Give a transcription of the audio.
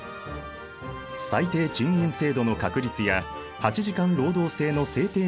最低賃金制度の確立や８時間労働制の制定などが叫ばれた。